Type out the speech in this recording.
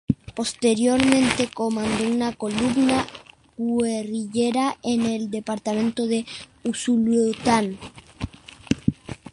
Posteriormente, comandó una columna guerrillera en el departamento de Usulután.